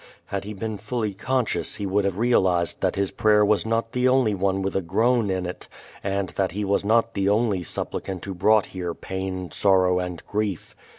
Had he been fully conscious he would have realized that his prayer was not the only one with a groan in it, and that he was not the only supplicant who brought here pain, sorrow and grief.